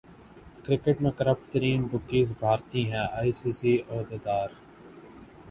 cricket میں corrupt ترین bookies بھارتی ہیں ائی سی سی عہدیدار